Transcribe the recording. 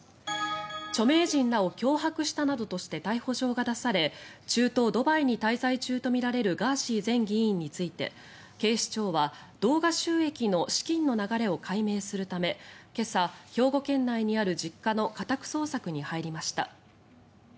著名人らを脅迫したなどとして逮捕状が出され中東ドバイに滞在中とみられるガーシー前議員について警視庁は動画収益の資金の流れを解明するため今朝、兵庫県内にある実家の家宅捜索に入りました。